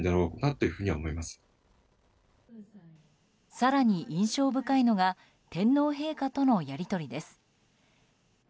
更に印象深いのが天皇陛下とのやり取りです。